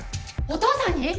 お父さんに！？